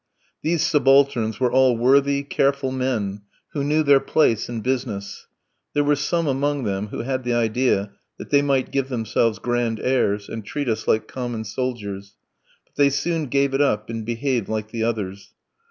These subalterns were all worthy, careful men, who knew their place and business. There were some among them who had the idea that they might give themselves grand airs, and treat us like common soldiers, but they soon gave it up and behaved like the others.